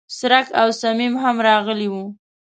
څرک او صمیم هم راغلي و.